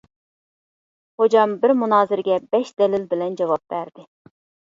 خوجام بىر مۇنازىرىگە بەش دەلىل بىلەن جاۋاب بەرى.